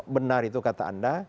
benar itu kata anda